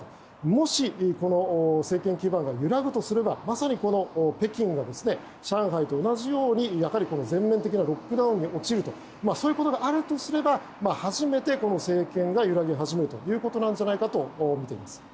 もし、政権基盤が揺らぐとすればまさに北京が上海と同じように全面的なロックダウンに陥るということがあるとすれば初めて、この政権が揺らぎ始めるということなんじゃないかとみています。